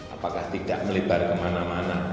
apakah tidak melebar kemana mana